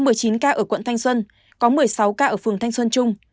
trong một mươi chín ca ở quận thanh xuân có một mươi sáu ca ở phường thanh xuân trung